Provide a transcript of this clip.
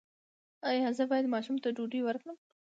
ایا زه باید ماشوم ته ډوډۍ ورکړم؟